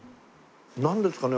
なんですかね？